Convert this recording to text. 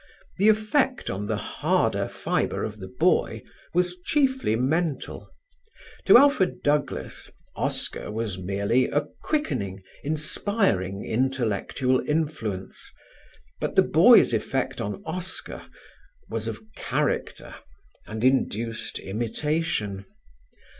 The effect on the harder fibre of the boy was chiefly mental: to Alfred Douglas, Oscar was merely a quickening, inspiring, intellectual influence; but the boy's effect on Oscar was of character and induced imitation.